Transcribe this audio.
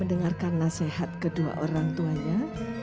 sindur binayang menjadi simbol tuntunan orang tua dan anak senantiasa